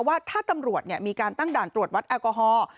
ว่าถ้าตำรวจมีการตั้งด่านตรวจวัดแอลกอฮอล์